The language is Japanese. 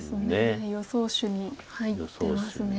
予想手に入ってますね。